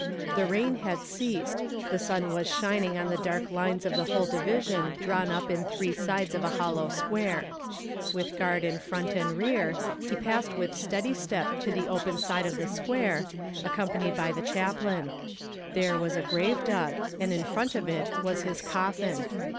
The rain had ceased, the sun was shining on the dark lines of the whole division drawn up in three sides of a hollow square. With guard in front and rear, he passed with steady step to the open side of the square, accompanied by the chaplain. There was a grave dug, and in front of it was his coffin.